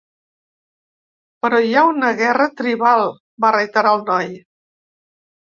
"Però hi ha una guerra tribal", va reiterar el noi.